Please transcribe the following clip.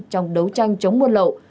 trong đấu tranh chống buôn lậu